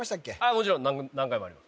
もちろん何回もあります